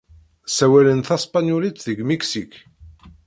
Ssawalen taspenyulit deg Miksik.